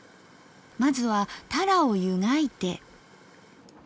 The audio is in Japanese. まずはタラを湯がいて。